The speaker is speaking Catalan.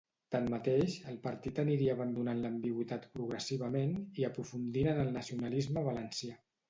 Tanmateix, el partit aniria abandonant l'ambigüitat progressivament, i aprofundint en el nacionalisme valencià.